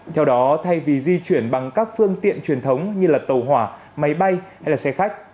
theo đó thay vì di chuyển bằng các phương tiện truyền thống như tàu hỏa máy bay hay xe khách